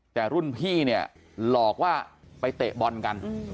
แต่รุ่นพี่เนี่ยหลอกว่าไปเตะบอลกัน